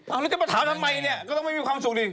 เอาแล้วจะมาถามทำไมเนี่ยก็ต้องไม่มีความสุขดิ